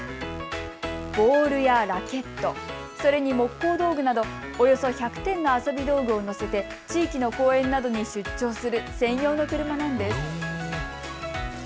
ボールやラケット、それに木工道具などおよそ１００点の遊び道具を載せて地域の公園などに出張する専用の車なんです。